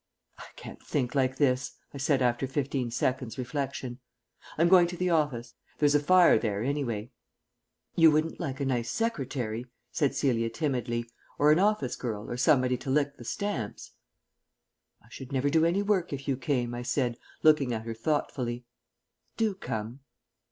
"I can't think like this," I said, after fifteen seconds' reflection. "I'm going to the office. There's a fire there, anyway." "You wouldn't like a nice secretary," said Celia timidly, "or an office girl, or somebody to lick the stamps?" "I should never do any work if you came," I said, looking at her thoughtfully. "Do come."